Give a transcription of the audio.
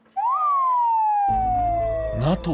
ＮＡＴＯ